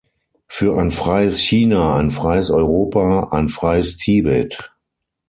Für ein freies China, ein freies Europa, ein freies Tibet.